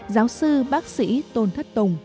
giáo sư bác sĩ tôn thất tùng